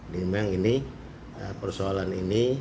diimbang ini persoalan ini